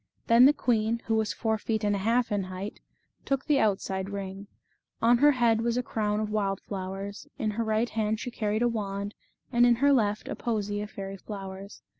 Then the queen, who was four feet and a half in height, took the outside ring. On her head was a crown of wild flowers, in her right hand she carried a wand, and in her left a posy of fairy flowers.